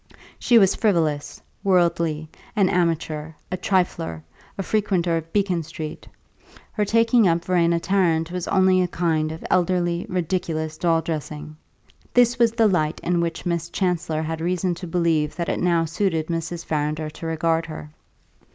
She was frivolous, worldly, an amateur, a trifler, a frequenter of Beacon Street; her taking up Verena Tarrant was only a kind of elderly, ridiculous doll dressing: this was the light in which Miss Chancellor had reason to believe that it now suited Mrs. Farrinder to regard her!